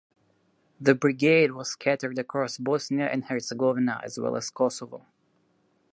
The Brigade was scattered across Bosnia and Herzegovina as well as Kosovo.